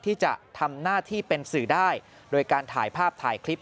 ที่จะทำหน้าที่เป็นสื่อได้โดยการถ่ายภาพถ่ายคลิป